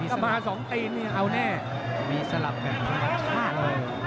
ถ้ามาสองตีนเนี่ยเอาแน่มีสลับแค่สำหรับชาติ